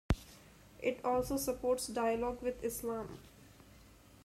It also supports dialogue with Islam.